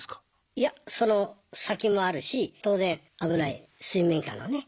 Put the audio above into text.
いやその先もあるし当然危ない水面下のね。